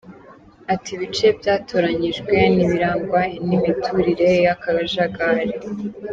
Ati “Ibice byatoranyijwe ni ibirangwa n’imiturire y’akajagari.